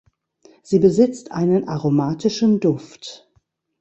Sie besitzt einen aromatischen Duft.